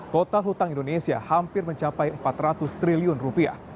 total hutang indonesia hampir mencapai empat ratus triliun rupiah